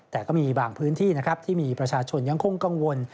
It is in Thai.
แต่ก็มีบางพื้นที่นะครับที่มีประชาชนยังคงกังวล